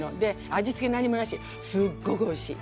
味付け何もなし。